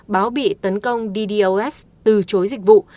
báo bị tấn công ddos từ chối dịch vụ